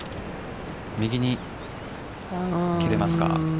右に切れますか？